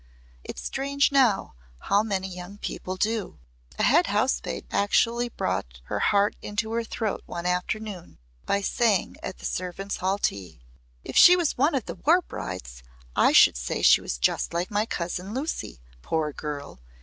It's strange how many young people do!" A head housemaid actually brought her heart into her throat one afternoon by saying at the servants' hall tea: "If she was one of the war brides, I should say she was just like my cousin Lucy poor girl.